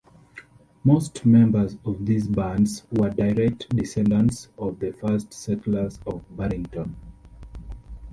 Most members of these bands were direct descendants of the first settlers of Barrington.